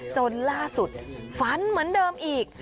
จนล่าสุดฝันเหมือนเดิมอีก